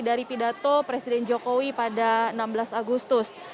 dari pidato presiden jokowi pada enam belas agustus